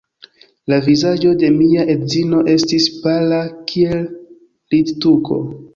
La vizaĝo de mia edzino estis pala kiel littuko.